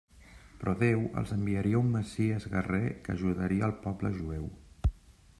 Però Déu els enviaria un Messies guerrer que ajudaria al poble jueu.